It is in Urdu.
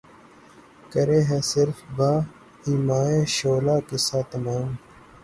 کرے ہے صِرف بہ ایمائے شعلہ قصہ تمام